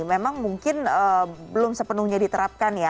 memang mungkin belum sepenuhnya diterapkan ya